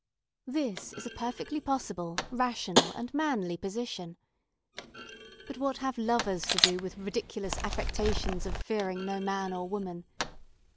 This is a perfectly possible, rational and manly position. But what have lovers to do with ridiculous affectations of fearing no man or woman?